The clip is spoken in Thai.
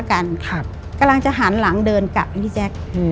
กำลังจะหันหลังเดินกลับนะพี่แจ๊คอืม